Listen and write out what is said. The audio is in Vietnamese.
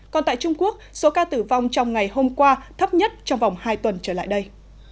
còn tại trung quốc số ca tử vong trong ngày hôm qua thấp nhất trong vòng hai tuần trở lại đây